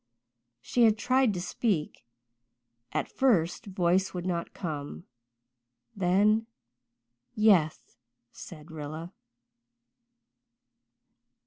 She had tried to speak; at first voice would not come. Then "Yeth," said Rilla.